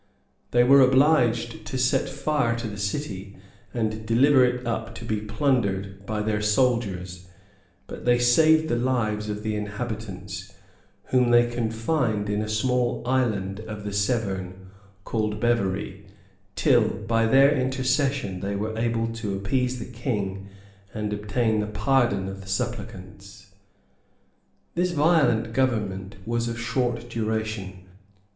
They were obliged to set fire to the city, and deliver it up to be plundered by their soldiers; but they saved the lives of the inhabitants, whom they confined in a small island of the Severn, called Beverey, till, by their intercession, they were able to appease the king, and obtain the pardon of the supplicants. This violent government was of short duration.